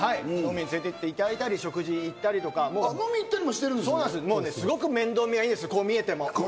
飲みに連れて行っていただいたり、食事に行ったりとか、すごく面倒見がいいんですよ、こう見えても。